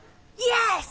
よし！